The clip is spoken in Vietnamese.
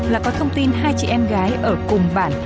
là có thông tin hai chị em gái ở cùng bản